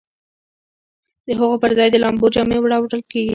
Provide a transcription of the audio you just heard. د هغو پر ځای د لامبو جامې راوړل کیږي